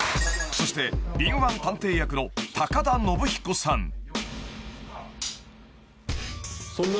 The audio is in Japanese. ［そして敏腕探偵役の田延彦さん］